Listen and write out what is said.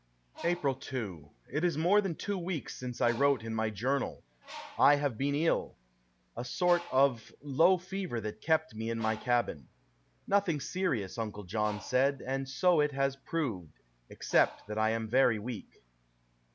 April 2. It is more than two weeks since I wrote in my journal. I have been ill a sort of low fever that kept me in my cabin. Nothing serious, Uncle John said, and so it has proved, except that I am very weak.